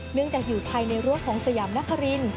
เนื่องจากอยู่ภายในรั้วของสยามนคริน